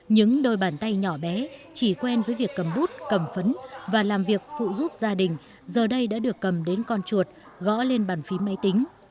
những đôi bàn tay nhỏ bé chỉ quen với việc cầm bút cầm phấn và làm việc phụ giúp gia đình giờ đây đã được cầm đến con chuột gõ lên bàn phím máy tính